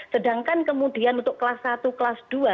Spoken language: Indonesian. sedangkan kemudian untuk kelas satu kelas dua